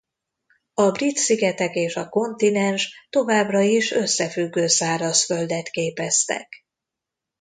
A Brit-szigetek és a kontinens továbbra is összefüggő szárazföldet képeztek.